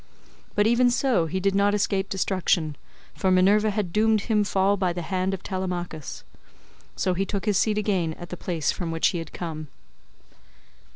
But even so he did not escape destruction, for Minerva had doomed him to fall by the hand of Telemachus. So he took his seat again at the place from which he had come.